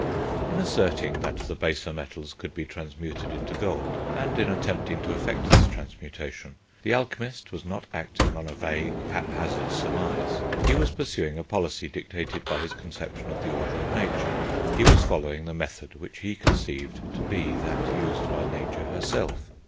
In asserting that the baser metals could be transmuted into gold, and in attempting to effect this transmutation, the alchemist was not acting on a vague; haphazard surmise; he was pursuing a policy dictated by his conception of the order of nature; he was following the method which he conceived to be that used by nature herself.